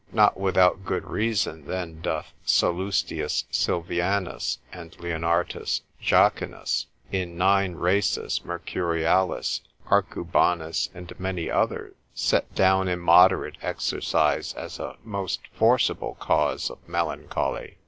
Not without good reason then doth Salust. Salvianus, l. 2. c. 1, and Leonartus Jacchinus, in 9. Rhasis, Mercurialis, Arcubanus, and many other, set down immoderate exercise as a most forcible cause of melancholy.